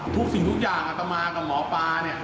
ทุกสิ่งทุกอย่างอัตมากับหมอปลาเนี่ย